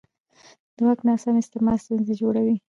د واک ناسم استعمال ستونزې جوړوي